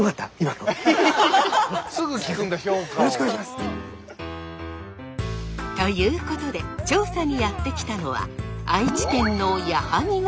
すぐ聞くんだ評価を。ということで調査にやって来たのは愛知県の矢作川。